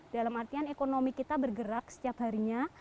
dalam artian ekonomi kita bergerak setiap harinya